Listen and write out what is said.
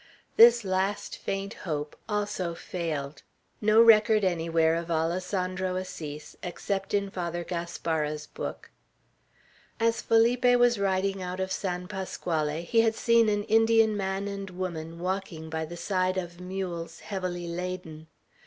This last faint hope also failed. No record anywhere of an Alessandro Assis, except in Father Gaspara's book. As Felipe was riding out of San Pasquale, he had seen an Indian man and woman walking by the side of mules heavily laden.